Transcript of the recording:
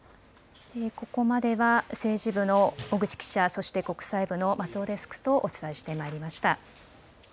ここまでは政治部の小口記者、そして国際部の松尾デスクとお伝えしてまいりました。